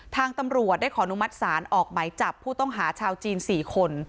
ทางตำรวจได้ขออนุมัติศาลออกไหมจับผู้ต้องหาชาวจีน๔คน